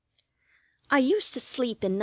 I used to sleep in No.